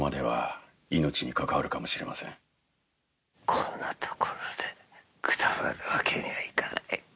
こんなところでくたばるわけにはいかない。